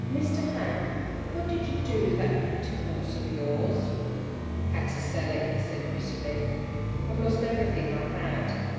"Mr. Hank, what did you do with that beauty horse of yours?" "Had to sell it," he said, bitterly. "I've lost everything I had.